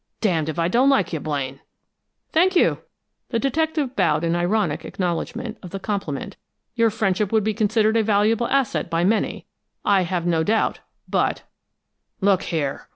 D d if I don't like you, Blaine!" "Thank you!" The detective bowed in ironic acknowledgment of the compliment. "Your friendship would be considered a valuable asset by many, I have no doubt, but " "Look here!"